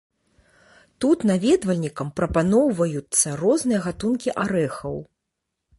Тут наведвальнікам прапаноўваюцца розныя гатункі арэхаў.